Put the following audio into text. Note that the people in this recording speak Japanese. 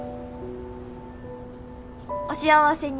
お幸せに。